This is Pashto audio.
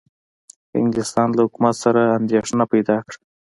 انګلستان له حکومت سره اندېښنه پیدا کړه.